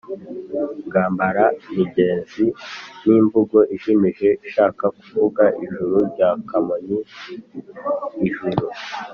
bwambaramigezi: ni imvugo ijimije ishaka kuvuga “ijuru rya kamonyi” ijuru